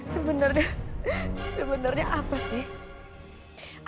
sebenarnya sebenarnya apa sih